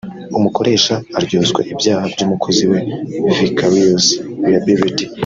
umukoresha aryozwa ibyaha by’umukozi we ( vicarious liability)